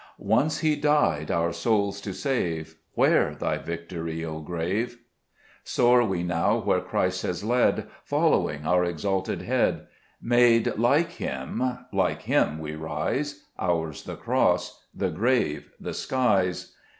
Once He died, our souls to save : Where thy victory, O grave ? 4 Soar we now where Christ has led, Following our exalted Head : Made like Him, like Him we rise ; Ours the cross, the grave, the skies.